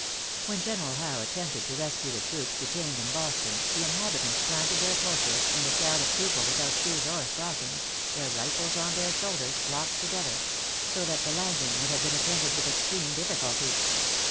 When General Howe attempted to rescue the troops detained in Boston, the inhabitants planted their torches, and a crowd of people without shoes or stockings their rifles on their shoulders, flocked together; so that the landing would have been attended with extreme difficulty.